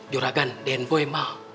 juragan denboy mah